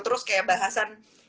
terus kayak bahasan